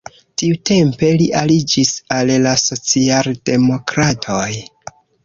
Tiutempe li aliĝis al la socialdemokratoj.